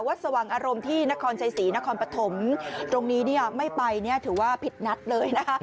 วัดสว่างอารมณ์ที่นครชัยศรีนครปฐมตรงนี้ไม่ไปถือว่าผิดนัดเลยนะคะ